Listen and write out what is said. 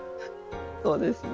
そうですね。